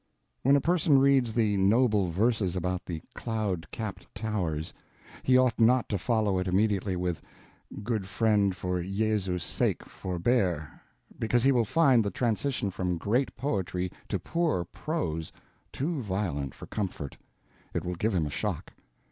When a person reads the noble verses about the cloud cap'd towers, he ought not to follow it immediately with Good friend for Iesus sake forbeare, because he will find the transition from great poetry to poor prose too violent for comfort. It will give him a shock.